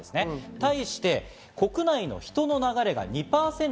対して国内の人の流れが２％。